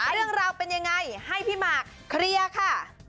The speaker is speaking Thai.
เรื่องราวเป็นยังไงให้พี่หมากเคลียร์ค่ะ